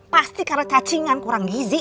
pasti karena cacingan kurang gizi